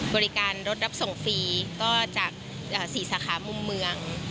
บริการรถรับส่งฟรีก็จาก๔สาขามุมเมือง